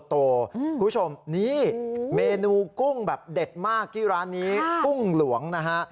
คุณผู้ชมนี่เมนูกุ้งแบบเด็ดมากที่ร้านนี้กุ้งหลวงนะฮะ